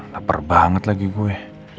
laper banget lagi gue